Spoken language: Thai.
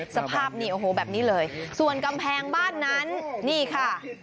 สภาพแบบนี้เลยส่วนกำแพงบ้านนั้นนี่ค่ะ